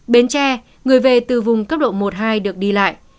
bến tre người về từ vùng cấp độ một hai được đi lại